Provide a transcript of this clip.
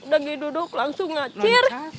lagi duduk langsung ngacir